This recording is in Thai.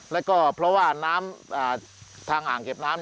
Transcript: แล้วก็เพราะว่าน้ำทางอ่างเก็บน้ำ